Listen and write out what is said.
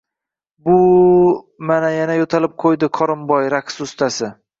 Bu-hu, mana yana yo`talib qo`ydi qorinboy raqs ustasi